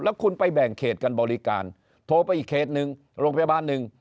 แล้วคุณไปแบ่งเขตกันบริการโทรไปอีกเขตหนึ่งโรงพยาบาลหนึ่ง